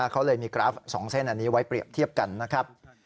เขาเลยมีกราฟ๒เส้นอันนี้ไว้เปรียบเทียบกันนะครับ